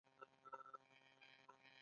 دوی د جي شل غونډې کوربه توب وکړ.